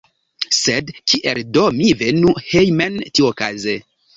Sed kiel do mi venu hejmen tiuokaze?